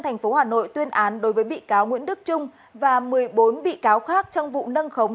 tp hà nội tuyên án đối với bị cáo nguyễn đức trung và một mươi bốn bị cáo khác trong vụ nâng khống